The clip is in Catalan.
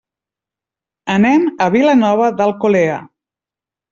Anem a Vilanova d'Alcolea.